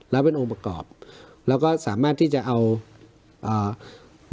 แล้วเป็นองค์ประกอบแล้วก็สามารถที่จะเอาอ่า